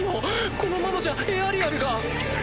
このままじゃエアリアルが。